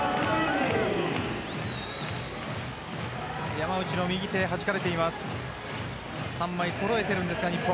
山内の右手、はじかれています。